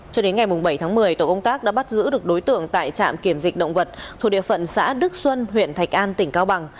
cho đến ngày bảy tháng một mươi tổ công tác đã bắt giữ được đối tượng tại trạm kiểm dịch động vật thuộc địa phận xã đức xuân huyện thạch an tỉnh cao bằng